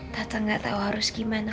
tante gak tau harus gimana